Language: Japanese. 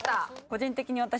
個人的に私